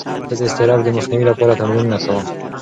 زه د اضطراب د مخنیوي لپاره تمرینونه کوم.